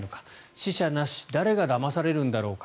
死者なし誰がだまされるのだろうか